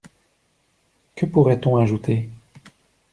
Que pourrait-on ajouter?